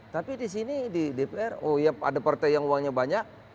tapi di sini di dpr oh ya ada partai yang uangnya banyak